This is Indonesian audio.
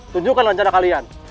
tunjukkan rencana kalian